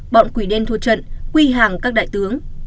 bọn quỷ đen thu trận quy hàng các đại tướng